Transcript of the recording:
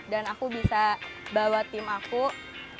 dan aku bisa bawa tim aku ke sana